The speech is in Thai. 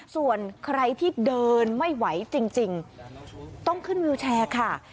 ส่วนใครที่เดินไม่ไหวจริงต้องขึ้นวิวแชร์ค่ะ